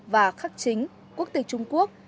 và khắc chính quốc tịch trung quốc